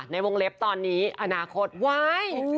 ในวงเลฟตอนนี้อนาคตใว้